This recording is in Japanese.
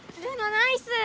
ナイス！